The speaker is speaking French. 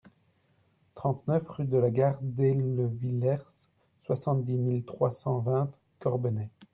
trente-neuf rue de la Gare d'Aillevillers, soixante-dix mille trois cent vingt Corbenay